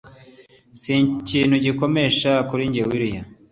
sikintu gikomeye kuri njye sha willia